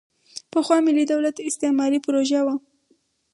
پخوا ملي دولت استعماري پروژه وه.